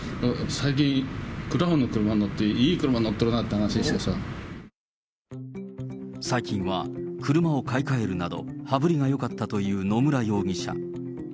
最近、クラウンの車に乗って、最近は車を買い替えるなど、羽振りがよかったという野村容疑者。